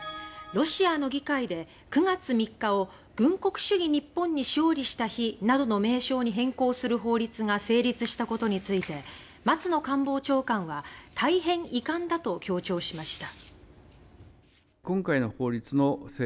ロシアの議会で９月３日を「軍国主義日本に勝利した日」などの名称に変更する法律が成立したことについて松野官房長官は「大変遺憾だ」と強調しました。